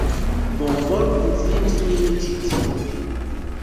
Bonvolu viziti nin ĉi tie!